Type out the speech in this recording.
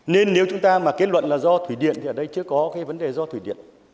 nên nếu chúng ta mà kết luận là do thủy điện thì ở đây chưa có cái vấn đề do thủy điện